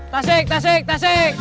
tasik tasik tasik